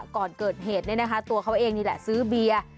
ก่อนเกิดเหตุตัวเขาเองนี่แหละซื้อเบียร์